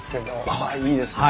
あいいですね。